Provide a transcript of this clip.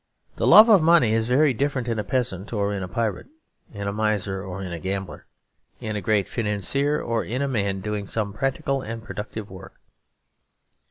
The love of money is very different in a peasant or in a pirate, in a miser or in a gambler, in a great financier or in a man doing some practical and productive work.